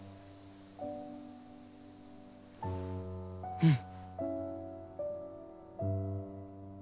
うん。